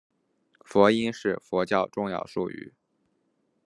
佛音是佛教重要术语。